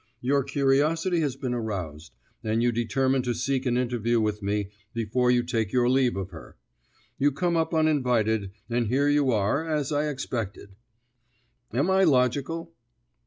Your curiosity has been aroused, and you determine to seek an interview with me before you take your leave of her. You come up uninvited, and here you are, as I expected. Am I logical?"